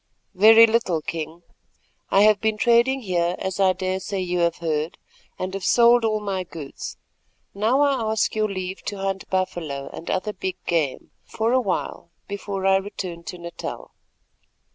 "Very little, King. I have been trading here, as I daresay you have heard, and have sold all my goods. Now I ask your leave to hunt buffalo, and other big game, for a while before I return to Natal."